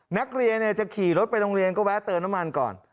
นักเรียนจะขี่รถไปโรงเรียนก็แวะเติมน้ำมันก่อน